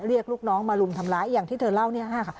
ลูกน้องมารุมทำร้ายอย่างที่เธอเล่าเนี่ยค่ะ